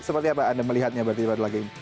seperti apa anda melihatnya berarti pada laga ini